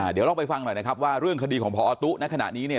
เดี๋ยวลองไปฟังหน่อยนะครับว่าเรื่องคดีของพอตุ๊ณขณะนี้เนี่ย